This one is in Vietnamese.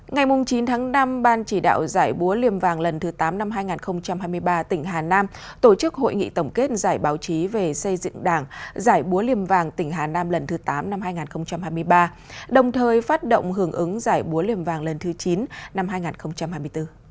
ngày chín tháng năm ban chỉ đạo giải búa liềm vàng lần thứ tám năm hai nghìn hai mươi ba tỉnh hà nam tổ chức hội nghị tổng kết giải báo chí về xây dựng đảng giải búa liềm vàng tỉnh hà nam lần thứ tám năm hai nghìn hai mươi ba đồng thời phát động hưởng ứng giải búa liềm vàng lần thứ chín năm hai nghìn hai mươi bốn